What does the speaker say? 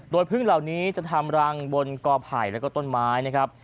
โดยพึ่งเหล่านี้จะทำรังบนกอไผ่แล้วก็ต้นไม้นะครับ